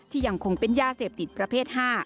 ยังคงเป็นยาเสพติดประเภท๕